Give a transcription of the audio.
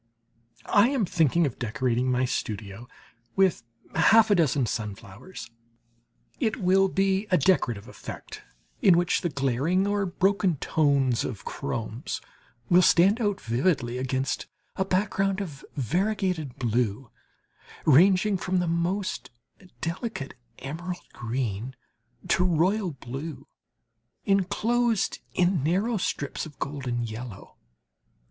I am thinking of decorating my studio with half a dozen sunflowers. It will be a decorative effect in which the glaring or broken tones of chromes will stand out vividly against a background of variegated blue, ranging from the most delicate emerald green to royal blue, enclosed in narrow strips of golden yellow.